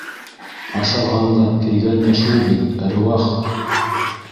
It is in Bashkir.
Ашаған да, кейгән дә шул бит, әруах!